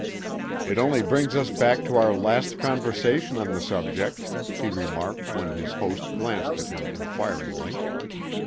"It only brings us back to our last conversation on the subject," he remarked when his host glanced at him inquiringly.